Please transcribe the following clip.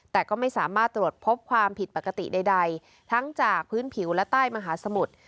แต่ก็ไม่สามารถตรวจพบความผิดปกติใดทั้งจากพื้นผิวและใต้มหาสมุทร